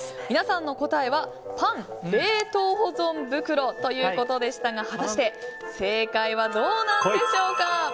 皆さんの答えはパン冷凍保存袋ということでしたが果たして正解はどうなんでしょうか。